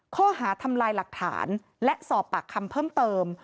ข้อหาทำลายหลักฐานและสอบปากคำเพิ่มเติม